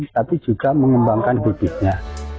tapi juga mengembangkan budinya